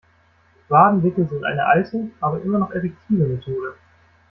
Wadenwickel sind eine alte aber immer noch effektive Methode.